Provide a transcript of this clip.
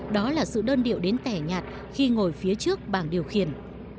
đó là sự đơn điệu đến tẻ nhạt khi ngồi phía trước bảng điều khiển